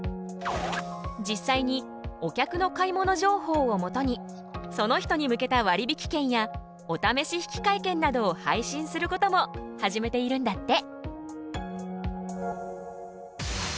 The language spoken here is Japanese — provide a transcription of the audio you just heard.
実際にお客の買い物情報をもとにその人に向けた割引券やおためし引換券などを配信することも始めているんだって。